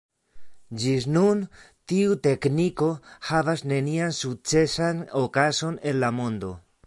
Ĝis nun tiu tekniko havas nenian sukcesan okazon en la mondo.